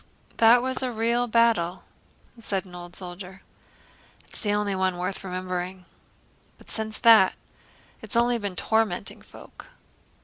"That was a real battle," said an old soldier. "It's the only one worth remembering; but since that... it's only been tormenting folk."